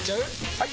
・はい！